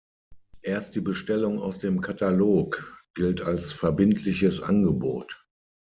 Erst die Bestellung aus dem Katalog gilt als verbindliches Angebot.